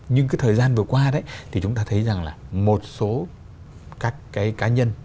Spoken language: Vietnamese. nhưng cái thời gian vừa qua đấy thì chúng ta thấy rằng là một số các cái cá nhân